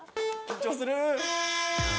緊張する！